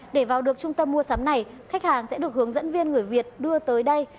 để vào được trung tâm mua sắm này khách hàng sẽ được hướng dẫn viên người việt đưa tới đây